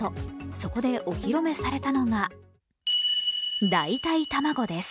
そこでお披露目されたのが代替卵です。